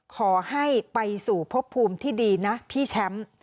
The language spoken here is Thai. ขอให้ไปสู่พบภูมิที่ดีนะพี่แชมป์